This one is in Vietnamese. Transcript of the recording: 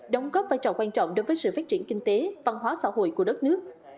đóng góp vai trò quan trọng đối với sự phát triển kinh tế văn hóa xã hội của đất nước